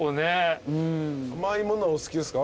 甘いものはお好きですか？